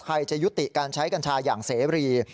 จะยุติการใช้กัญชาอย่างเสรี